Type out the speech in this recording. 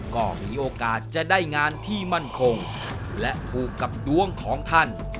ก็มีโอกาสจะได้งานที่มั่นคงและผูกกับดวงของท่าน